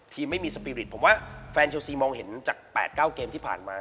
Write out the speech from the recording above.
ไม่มีสปีริตผมว่าแฟนเชลซีมองเห็นจาก๘๙เกมที่ผ่านมา